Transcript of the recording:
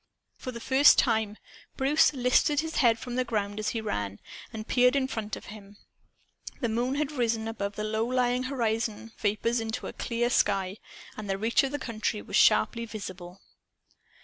For the first time, Bruce lifted his head from the ground, as he ran, and peered in front of him. The moon had risen above the low lying horizon vapors into a clear sky, and the reach of country was sharply visible.